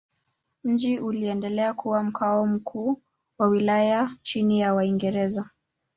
Mji uliendelea kuwa makao makuu ya wilaya chini ya Waingereza.